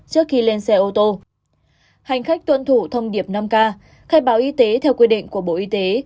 trước khi lên xe ô tô hành khách tuân thủ thông điệp năm k khai báo y tế theo quy định của bộ y tế